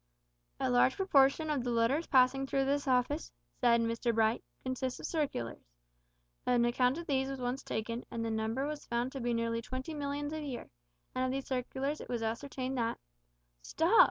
"A large proportion of the letters passing through this office," said Mr Bright, "consists of circulars. An account of these was once taken, and the number was found to be nearly twenty millions a year, and of these circulars it was ascertained that " "Stop!